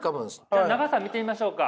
じゃ長さ見てみましょうか。